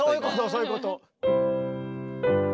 そういうこと！